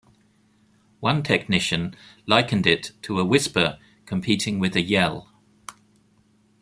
One technician likened it to a whisper competing with a yell.